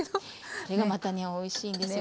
これがまたねおいしいんですよ。